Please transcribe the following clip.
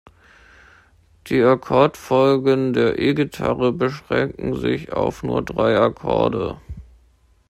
Die Akkordfolgen der E-Gitarre beschränken sich auf nur drei Akkorde.